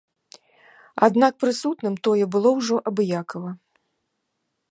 Аднак прысутным тое было ўжо абыякава.